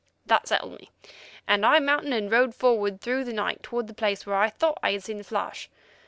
That settled me, and I mounted and rode forward through the night toward the place where I thought I had seen the flash.